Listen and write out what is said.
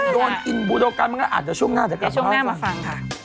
โดนอินบูโดกันมันก็อาจจะช่วงหน้าจะกลับมาฟัง